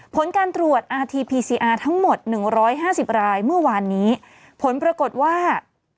ผลการตรวจทั้งหมดหนึ่งร้อยห้าสิบรายเมื่อวานนี้ผลปรากฏว่า